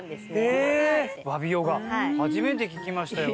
初めて聞きましたよ